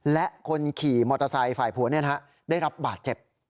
และคนขี่มอเตอร์ไซค์ฝ่ายผัวได้รับบาดเจ็บ